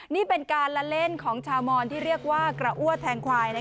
นี่เป็นการละเล่นของชาวมอนที่เรียกว่ากระอ้วแทงควาย